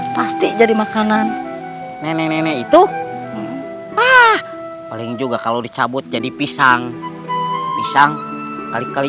pasti jadi makanan nenek nenek itu ah paling juga kalau dicabut jadi pisang pisang kali kali